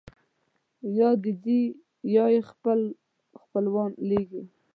یا دی ځي یا یې خپل خپلوان لېږي.